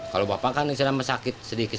kalau bapak kan sedikit sedikit meskipun sakit